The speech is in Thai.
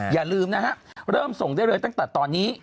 อย่าลืมนะฮะเริ่มส่งได้เลยตั้งแต่ตอนนี้